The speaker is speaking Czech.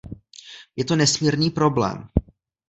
Je to nesmírný problém.